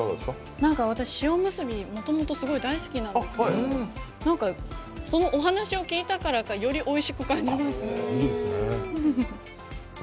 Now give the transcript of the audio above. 私、塩むすび、もともとすごい大好きなんですけどそのお話を聞いたからか、よりおいしく感じますね。